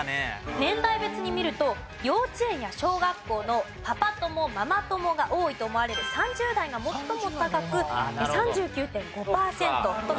年代別に見ると幼稚園や小学校のパパ友ママ友が多いと思われる３０代が最も高く３９．５パーセントとなったようです。